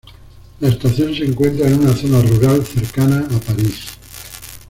La estación se encuentra en una zona rural cercana a París.